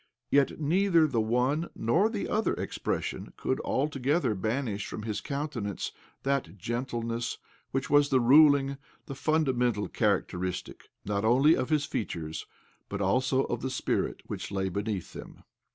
Yet neither the one nor the other expression could altogether banish from his countenance that gentleness which was the ruling, the fundamental, charac teristic, not only of his features, but also of the spirit which lay beneath them.